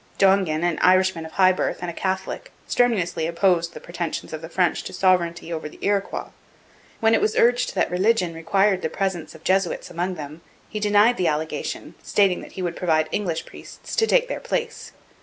Dongan, an Irishman of high birth and a Catholic, strenuously opposed the pretensions of the French to sovereignty over the Iroquois. When it was urged that religion required the presence of the Jesuits among them, he denied the allegation, stating that he would provide English priests to take their place.